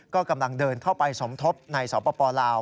ก็กำลังเดินเข้าไปสมทบในสปลาว